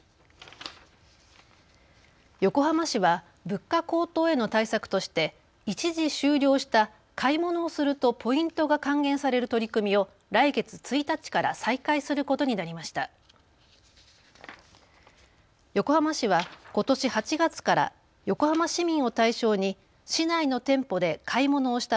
横浜市は物価高騰への対策として一時終了した買い物をするとポイントが還元される取り組みを来月１日から再開することになりました。